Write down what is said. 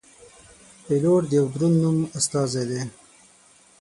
پیلوټ د یوه دروند نوم استازی دی.